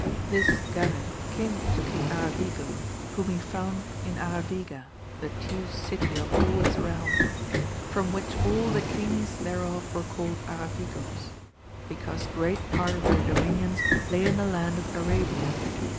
This Garin came to King Aravigo, whom he found in Araviga the chief city of all his realm ; from which all the kings thereof were called Aravigos, because great part of their do minions lay in the land of Arabia.